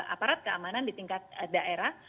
aparat keamanan di tingkat daerah